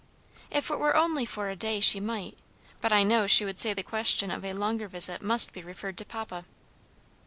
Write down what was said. "If it were only for a day she might, but I know she would say the question of a longer visit must be referred to papa."